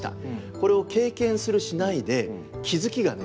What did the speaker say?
これを経験するしないで気付きがね